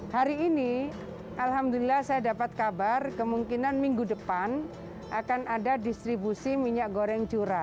hari ini alhamdulillah saya dapat kabar kemungkinan minggu depan akan ada distribusi minyak goreng curah